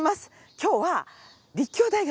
今日は立教大学！